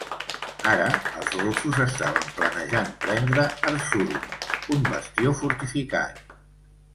Ara, els russos estaven planejant prendre Erzurum, un bastió fortificat.